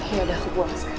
ya udah aku pulang sekarang